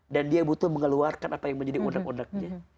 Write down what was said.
dan dia butuh mengeluarkan apa yang menjadi undeg undegnya